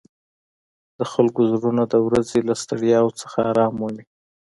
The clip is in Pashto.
د خلکو زړونه د ورځې له ستړیاوو څخه آرام مومي.